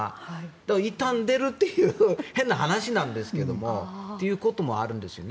だから、いったん出るという変な話なんですがそういうこともあるんですよね。